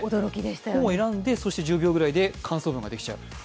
本を選んで１０秒くらいで感想文ができちゃう。